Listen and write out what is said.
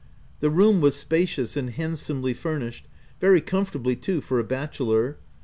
The room was spacious and handsomely furnished — very comfortably, too, for a bachelor.